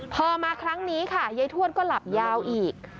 พอมาครั้งนี้ค่ะยายทวดก็หลับยาวอีก